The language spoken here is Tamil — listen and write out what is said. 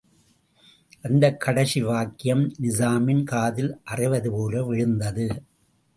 அந்தக் கடைசி வாக்கியம் நிசாமின் காதில் அறைவதுபோல விழுந்தது.